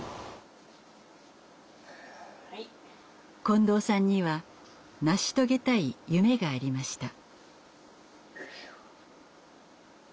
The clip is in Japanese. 近藤さんには成し遂げたい夢がありました。